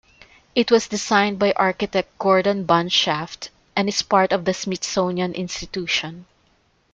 It was designed by architect Gordon Bunshaft and is part of the Smithsonian Institution.